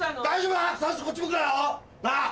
大丈夫だ！